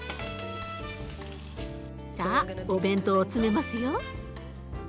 さあお弁当を詰めますよ。